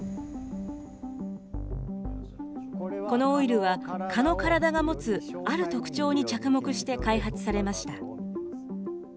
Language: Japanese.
このオイルは、蚊の体が持つ、ある特長に着目して開発されました。